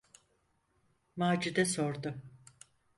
Macide sordu: